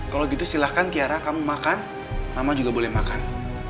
kalau gitu silahkan tiara kamu makan mama juga boleh makan